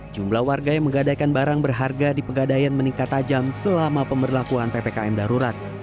jumlah warga yang menggadaikan barang berharga di pegadaian meningkat tajam selama pemberlakuan ppkm darurat